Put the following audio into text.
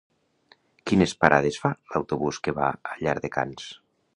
Quines parades fa l'autobús que va a Llardecans?